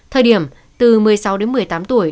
thời điểm từ một mươi sáu đến một mươi tám tuổi